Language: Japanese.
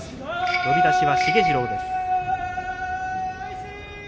呼出しは重次郎です。